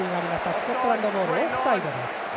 スコットランドボールオフサイドです。